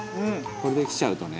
これで来ちゃうとね。